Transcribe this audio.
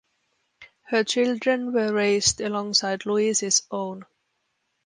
Her children were raised alongside Louise's own.